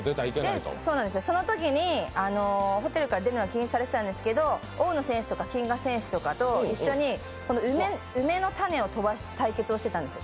そのときにホテルから出るのは禁止されていたんですけど大野選手とか近賀選手とかと一緒に梅の種を飛ばす対決をしていたんですよ。